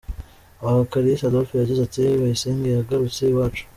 Aha Kalisa Adolphe yagize ati “Bayisenge yagarutse iwacu.